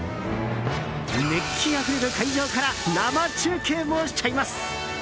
熱気あふれる会場から生中継もしちゃいます！